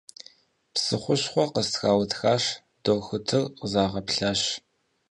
Псы хущхъуэ къыстраутхащ, дохутыр къызагъэплъащ.